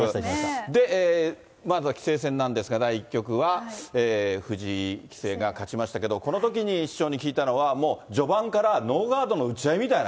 で、まずは棋聖戦なんですが、第１局は、藤井棋聖が勝ちましたけど、このときに師匠に聞いたのは、もう序盤からノーガードの打ち合いみたいな。